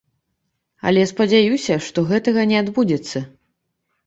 Але спадзяюся, што гэтага не адбудзецца.